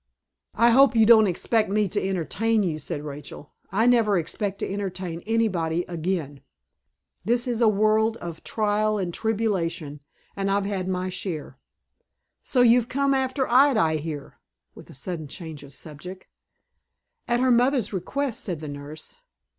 "I hope you don't expect me to entertain you," said Rachel. "I never expect to entertain anybody again. This is a world of trial and tribulation, and I've had my share. So you've come after Ida, I hear?" with a sudden change of subject. "At her mother's request," said the nurse.